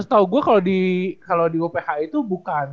setau gue kalo di wph itu bukan